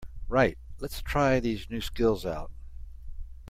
Right, lets try these new skills out!